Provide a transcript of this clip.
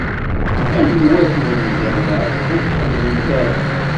Anwa-t umdan-a ur tḥemmlemt ara?